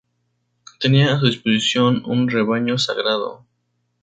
Tenía a su disposición un rebaño sagrado.